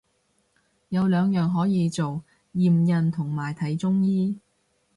有兩樣可以做，驗孕同埋睇中醫